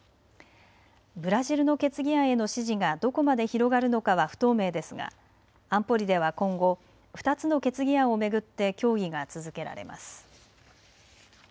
ブラジルの決議案への支持がどこまで広がるのかは不透明ですが安保理では今後、２つの決議案を巡って協議が続けられます。